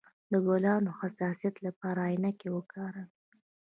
د ګلانو د حساسیت لپاره عینکې وکاروئ